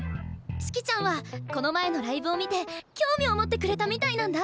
四季ちゃんはこの前のライブを見て興味を持ってくれたみたいなんだ！